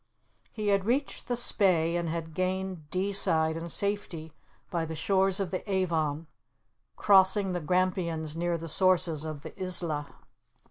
He had reached the Spey, and had gained Deeside in safety by the shores of the Avon, crossing the Grampians near the sources of the Isla.